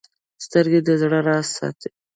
سترګې د زړه راز ساتي